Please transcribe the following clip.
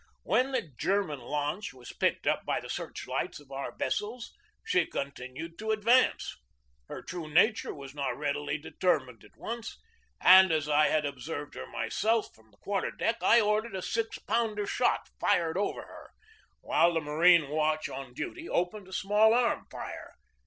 When the German launch was picked up by the search lights of our vessels she continued to advance. Her true nat ure was not readily determined at once, and, as I had observed her myself from the quarter deck, I ordered a six pounder shot fired over her, while the marine watch on duty opened a small arm fire.